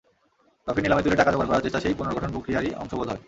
Trophy নিলামে তুলে টাকা জোগাড় করার চেষ্টা সেই পুনর্গঠনপ্রক্রিয়ারই অংশ বোধ হয়।